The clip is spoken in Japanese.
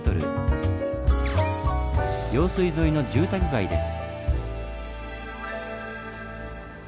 用水沿いの住宅街です。